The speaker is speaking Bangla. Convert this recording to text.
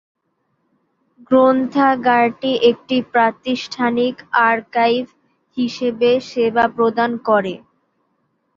গ্রন্থাগারটি একটি প্রাতিষ্ঠানিক আর্কাইভ হিসেবে সেবা প্রদান করে।